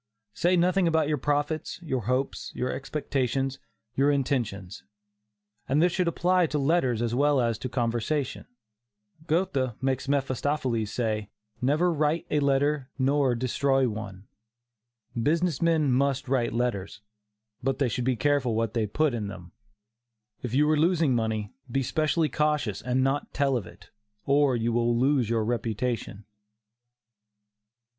Say nothing about your profits, your hopes, your expectations, your intentions. And this should apply to letters as well as to conversation. Goethe makes Mephistophiles say: "never write a letter nor destroy one." Business men must write letters, but they should be careful what they put in them. If you are losing money, be specially cautious and not tell of it, or you will lose your reputation.